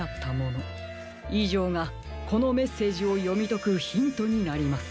いじょうがこのメッセージをよみとくヒントになります。